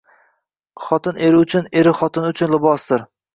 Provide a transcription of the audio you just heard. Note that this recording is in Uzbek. Xotin eri uchun, er xotini uchun libosdir.